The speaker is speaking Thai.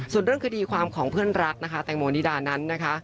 ส่วนเรื่องคดีความของเพื่อนรักแตงโมนดิดานาน